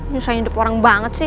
susah nyedep orang banget sih